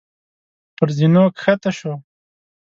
پر زينو کښته شو.